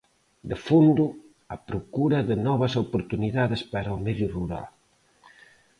De fondo, a procura de "novas oportunidades para o medio rural".